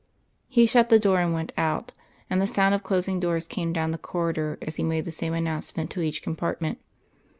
He shut the door and went out, and the sound of closing doors came down the corridor as he made the same announcement to each compartment.